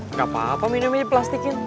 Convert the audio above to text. gak apa apa minumnya diplastikin